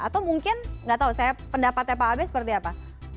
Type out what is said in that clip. atau mungkin nggak tahu saya pendapatnya pak abe seperti apa